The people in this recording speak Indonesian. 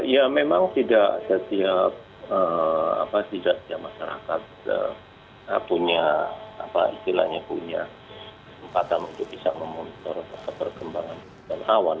ya memang tidak setiap masyarakat punya tempat yang bisa memonitor perkembangan awan